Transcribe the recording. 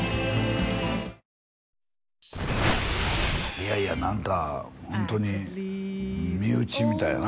いやいや何かホントに身内みたいやな